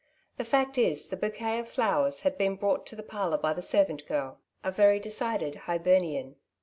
The fact is the bouquet of flowers had been brought to the parlour by the servant girl, a very decided Hibernian.